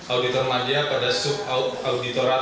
auditor media pada subauditoran